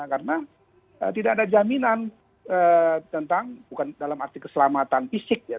karena tidak ada jaminan tentang bukan dalam arti keselamatan fisik ya